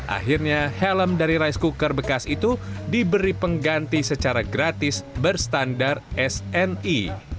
akhirnya helm dari rice cooker bekas itu diberi pengganti secara gratis berstandar sni